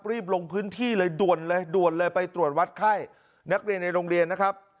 รีบลงพื้นที่เลยด่วนเลยด่วนเลยไปตรวจวัดไข้นักเรียนในโรงเรียนนะครับ